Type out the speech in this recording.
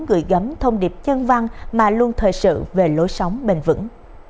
gửi gắm thông điệp chân văn mà luôn thời sự về lối sống bền vững